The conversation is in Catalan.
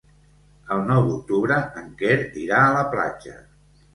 El nou d'octubre en Quer irà a la platja.